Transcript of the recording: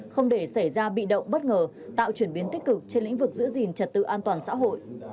không để xảy ra bị động bất ngờ tạo chuyển biến tích cực trên lĩnh vực giữ gìn trật tự an toàn xã hội